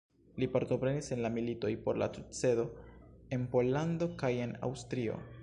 Li partoprenis en la militoj por la sukcedo en Pollando kaj en Aŭstrio.